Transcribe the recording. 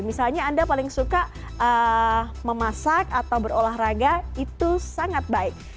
misalnya anda paling suka memasak atau berolahraga itu sangat baik